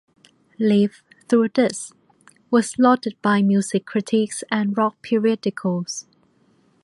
"Live Through This" was lauded by music critics and rock periodicals.